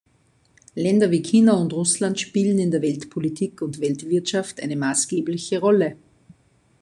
Länder wie China und Russland spielen in der Weltpolitik und Weltwirtschaft eine maßgebliche Rolle.